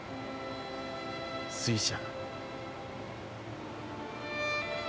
水車。